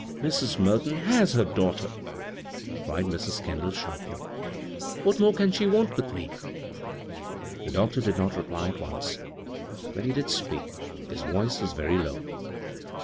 "Mrs. Merton Aeis her daughto*," cried Mrs, Kendall, sharply. " What more can she want with me?" The doctor did not reply at once. When he did speak his voice was very low.